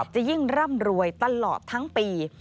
จะยิ่งร่ำรวยตลอดทั้งปี